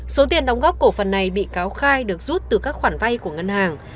số tiền đóng góp cổ phần này bị cáo khai được rút từ các khoản vay của ngân hàng